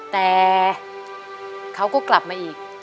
แต่เขาก็กลับมาอีก